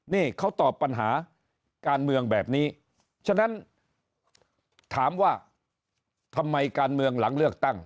นี่เขาตอบปัญหาการเมืองแบบนี้ฉะนั้นถามว่าทำไมการเมืองหลังเลือกตั้ง